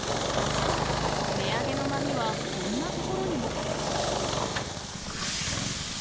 値上げの波はこんなところにも。